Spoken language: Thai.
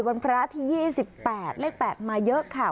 พระที่๒๘เลข๘มาเยอะค่ะ